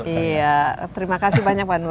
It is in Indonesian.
iya terima kasih banyak pak nur